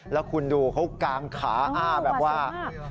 แล้วคุณดูเขากางขาอ้าแบบว่า